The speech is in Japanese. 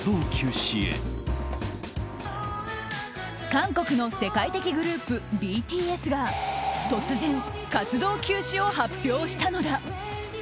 韓国の世界的グループＢＴＳが突然、活動休止を発表したのだ。